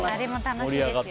盛り上がった。